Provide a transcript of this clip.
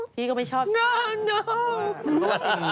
พี่ก็ไม่ชอบชายอ้าว